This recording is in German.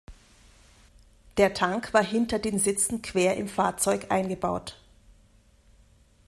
Der Tank war hinter den Sitzen quer im Fahrzeug eingebaut.